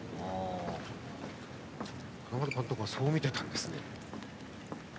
金丸監督はそう見ていたんですね。